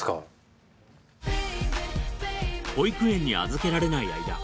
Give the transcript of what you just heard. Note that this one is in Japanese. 保育園に預けられない間